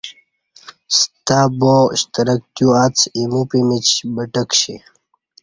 ستہ با شترک تیواڅ ایمو پمیچ بٹہ کشی